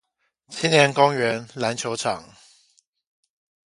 青年公園籃球場